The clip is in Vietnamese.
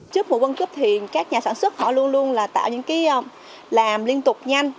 trước mùa quân kích thì các nhà sản xuất họ luôn luôn là tạo những cái làm liên tục nhanh